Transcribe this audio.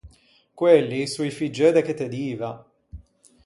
Quelli son i figgeu de che te diva.